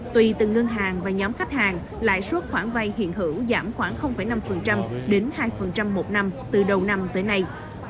tùy từ ngân hàng và nhóm khách hàng lãi suất khoản vay hiện hữu giảm khoảng năm đến hai một năm từ đầu năm tới nay